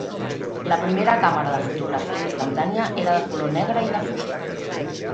La primera càmera de fotografia instantània era de color negre i de fusta.